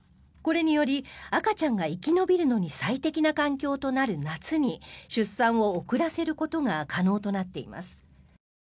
これにより赤ちゃんが生き延びるのに最適な環境となる夏に出産を遅らせることが可能となっています。